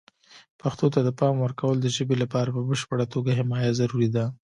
پښتو ته د پام ورکول د ژبې لپاره په بشپړه توګه حمایه ضروري ده.